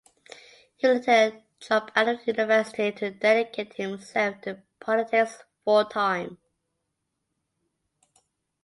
He would later drop out of university to dedicate himself to politics full time.